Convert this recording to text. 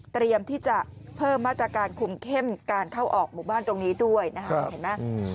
เตรียมที่จะเพิ่มมาตรการคุมเข้มการเข้าออกหมู่บ้านตรงนี้ด้วยนะคะเห็นไหม